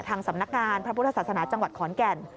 ทางสำนักงานพระพุทธศาสนาจังหวัดขอนแก่น